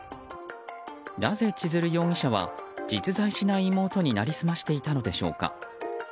なぜ千鶴容疑者は実在しない妹に成り済ましていたのでしょうか？